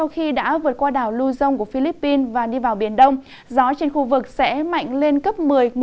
khi đã vượt qua đảo luzon của philippines và đi vào biển đông gió trên khu vực sẽ mạnh lên cấp một mươi một mươi một